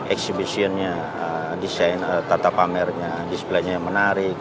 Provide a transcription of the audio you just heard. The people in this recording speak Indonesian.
exhibition nya tata pamernya display nya yang menarik